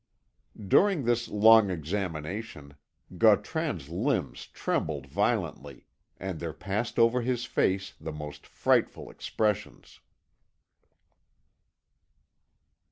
During this long examination, Gautran's limbs trembled violently, and there passed over his face the most frightful expressions.